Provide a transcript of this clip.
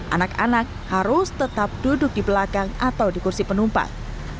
anak anak harus tetap duduk di belakang atau di kursi penumpang